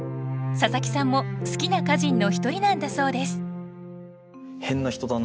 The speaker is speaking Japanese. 佐佐木さんも好きな歌人の一人なんだそうです